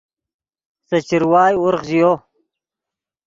سے چروائے ورغ ژیو